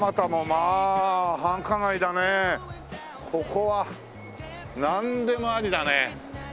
ここはなんでもありだね。